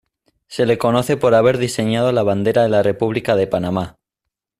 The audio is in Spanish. Se le conoce por haber diseñado la bandera de la República de Panamá.